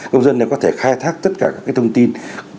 công dân có thể khai thoát tất cả các thông tin